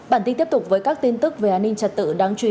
bản tin tiếp tục với các tin tức về an ninh trật tự đáng chú ý